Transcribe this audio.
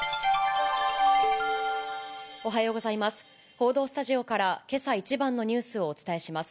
報道スタジオから、けさ一番のニュースをお伝えします。